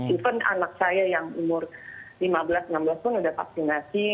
even anak saya yang umur lima belas enam belas pun sudah vaksinasi